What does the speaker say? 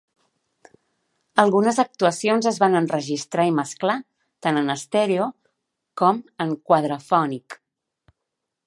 Algunes actuacions es van enregistrar i mesclar tant en estèreo com en quadrafònic.